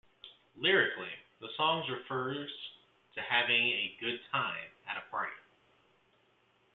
Lyrically, the songs refers to having a good time at a party.